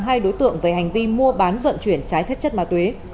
hai đối tượng về hành vi mua bán vận chuyển trái phép chất ma túy